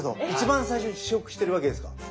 一番最初に試食してるわけですか？